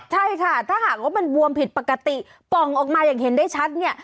ใช่ค่ะถ้าหากว่ามันบวมผิดปกติป่องออกมาอย่างเห็นได้ชัดเนี่ย